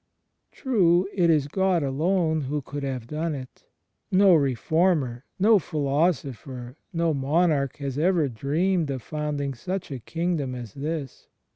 True, it is God alone who coidd have done it. No reformer, no philosopher, no monarch has ever even dreamed of f oimding such a Kingdom as this.